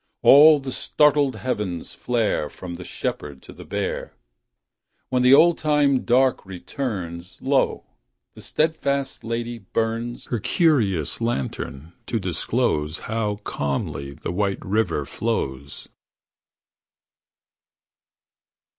All the startled heavens flare From the Shepherd to the Bear When the old time dark returns, Lo, the steadfast lady burns Her curious lantern to disclose How calmly the White River flows!